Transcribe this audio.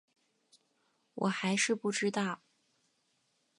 我还是不知道